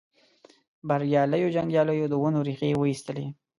بریالیو جنګیالیو د ونو ریښې وایستلې.